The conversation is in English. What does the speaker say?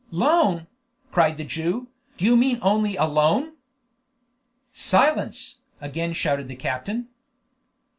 "Loan!" cried the Jew, "do you mean only a loan?" "Silence!" again shouted the captain.